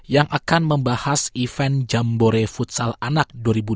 yang akan membahas event jambore futsal anak dua ribu dua puluh